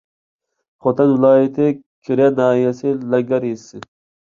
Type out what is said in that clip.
خوتەن ۋىلايىتى كېرىيە ناھىيەسى لەڭگەر يېزىسى